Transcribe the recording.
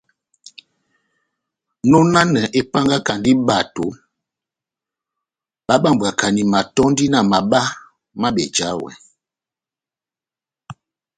Nɔnanɛ épángakandi bato bábambwakani matɔ́ndi na mabá má bejawɛ.